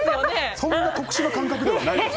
そんな特殊な感覚ではないです。